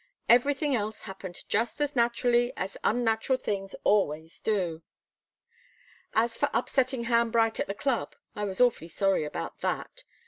Everything else happened just as naturally as unnatural things always do. As for upsetting Ham Bright at the club, I was awfully sorry about that.